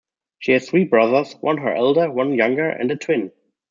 She has three brothers, one her elder, one younger and a twin.